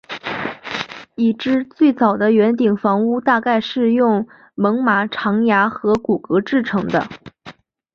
已知最早的圆顶房屋大概是用猛犸的长牙和骨骼制成的。